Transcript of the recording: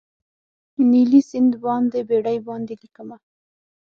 نیلي سیند باندې بیړۍ باندې لیکمه